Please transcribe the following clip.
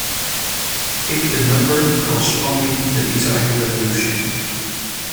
Pick the number corresponding to the desired resolution.